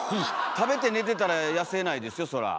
食べて寝てたら痩せないですよそら。